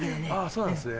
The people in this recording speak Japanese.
そうなんすね。